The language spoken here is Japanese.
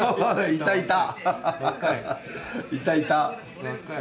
いたいた。